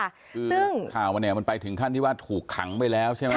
คือข่าวมันเนี่ยมันไปถึงขั้นที่ว่าถูกขังไปแล้วใช่ไหม